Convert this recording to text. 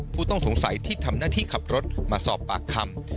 ผู้ต้องสงสัยที่ทำหน้าที่ขับรถมาสอบปากคำ